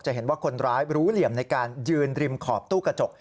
เห็นว่าคนร้ายรู้เหลี่ยมในการยืนริมขอบตู้กระจก